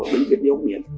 bệnh viện đi ông điển